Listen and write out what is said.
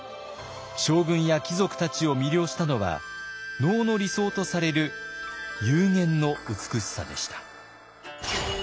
将軍や貴族たちを魅了したのは能の理想とされる幽玄の美しさでした。